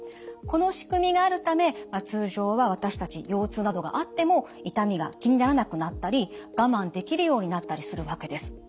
このしくみがあるため通常は私たち腰痛などがあっても痛みが気にならなくなったり我慢できるようになったりするわけです。